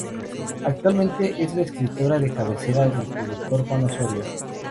Actualmente es la escritora de cabecera del productor Juan Osorio.